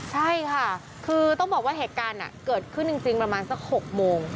ใช่ค่ะคือต้องบอกว่าเหตุการณ์เกิดขึ้นจริงประมาณสัก๖โมง